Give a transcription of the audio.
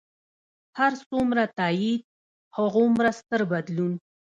هر څومره تایید، هغومره ستر بدلون.